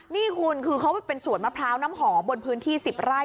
นี่คุณคือเขาเป็นสวนมะพร้าวน้ำหอมบนพื้นที่๑๐ไร่